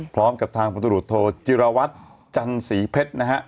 พร้อมกับทางพลตรวจโทจิรวัตรจันสีเพชรนะฮะ